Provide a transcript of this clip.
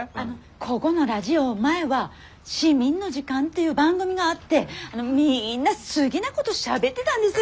こごのラジオ前は「市民の時間」っていう番組があってみんな好ぎなごどしゃべってだんです。